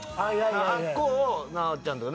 あっこを奈緒ちゃんとか。